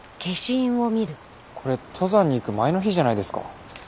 これ登山に行く前の日じゃないですか。